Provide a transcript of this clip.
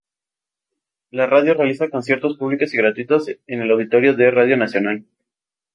La radio realiza conciertos públicos y gratuitos en el Auditorio de Radio Nacional.